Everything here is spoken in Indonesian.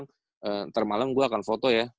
ntar malem gua akan foto ya